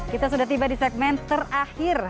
kita sudah tiba di segmen terakhir